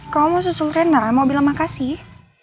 kamu mau susul rena mau bilang makasih